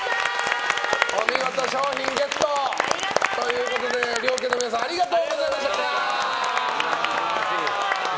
お見事、賞品ゲット！ということで、両家の皆さんありがとうございました！